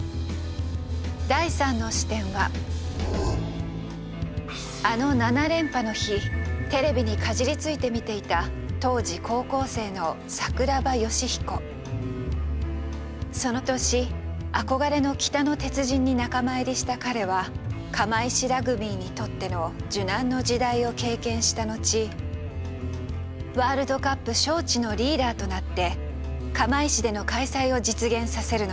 第３の視点はあの７連覇の日テレビにかじりついて見ていた当時高校生のその年憧れの「北の鉄人」に仲間入りした彼は釜石ラグビーにとっての受難の時代を経験した後ワールドカップ招致のリーダーとなって釜石での開催を実現させるのです。